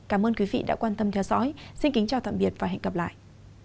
cảm ơn quý vị đã quan tâm theo dõi xin kính chào tạm biệt và hẹn gặp lại